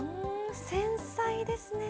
繊細ですね。